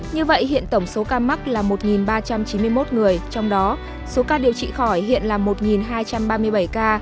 như vậy hiện tổng số ca mắc là một ba trăm chín mươi một người trong đó số ca điều trị khỏi hiện là một hai trăm ba mươi bảy ca